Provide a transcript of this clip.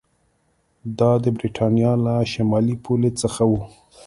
دا د برېټانیا له شمالي پولې څخه و